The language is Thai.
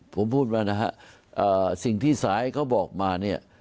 ผมพูดมานะฮะสิ่งที่สายเขาบอกมาเนี่ย